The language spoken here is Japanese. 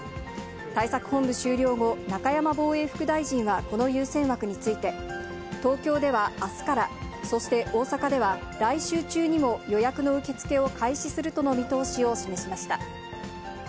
対策本部終了後、中山防衛副大臣はこの優先枠について、東京ではあすから、そして大阪では来週中にも、予約の受け付けを開始するとの見通しを示しました。